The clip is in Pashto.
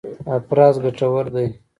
افراز ګټور دی.